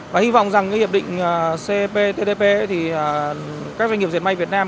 và hy vọng rằng hiệp định cptpp thì các doanh nghiệp diệt may việt nam